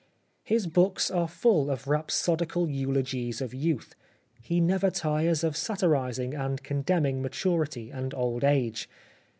His books are full of rhapsodical eulogies of youth ; he never tires of satirising and condemning maturity and old age.